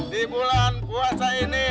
di bulan puasa ini